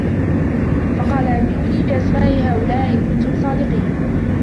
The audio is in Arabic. فَقَالَ أَنْبِئُونِي بِأَسْمَاءِ هَٰؤُلَاءِ إِنْ كُنْتُمْ صَادِقِينَ